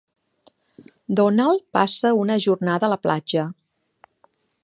Donald passa una jornada a la platja.